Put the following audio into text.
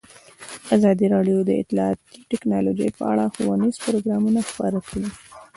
ازادي راډیو د اطلاعاتی تکنالوژي په اړه ښوونیز پروګرامونه خپاره کړي.